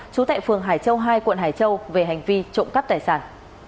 trú tại phường hải châu hai quận hải châu về hành vi trộm cắp tài sản